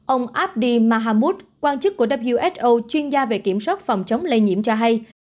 ông abdi mahmoud quan chức của who chuyên gia về kiểm soát phòng chống lây nhiễm cho hay